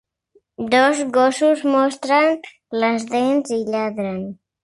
Dos gossos mostren les dents i lladren.